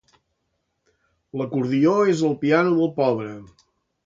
L'acordió és el piano del pobre.